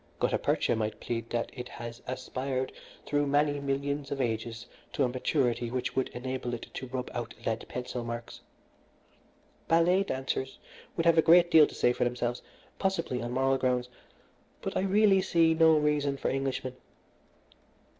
Gutta percha might plead that it has aspired through many millions of ages to a maturity which would enable it to rub out lead pencil marks. Ballet dancers would have a great deal to say for themselves, possibly on moral grounds; but I really see no reason for Englishmen.